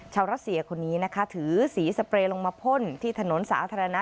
รัสเซียคนนี้นะคะถือสีสเปรย์ลงมาพ่นที่ถนนสาธารณะ